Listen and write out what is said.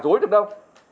thả rối được đâu